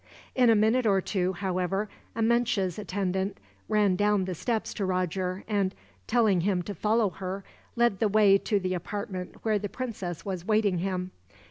In a minute or two, however, Amenche's attendant ran down the steps to Roger and, telling him to follow her, led the way to the apartment where the princess was waiting him.